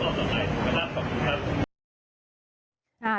ขอขอบคุณครับ